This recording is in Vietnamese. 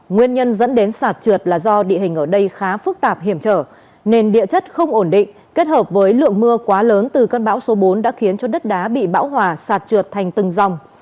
nguyên nhân dẫn đến sạt trượt là do địa hình ở đây khá phức tạp hiểm trở nên địa chất không ổn định kết hợp với lượng mưa quá lớn từ cơn bão số bốn đã khiến cho đất đá bị bão hòa sạt trượt thành từng dòng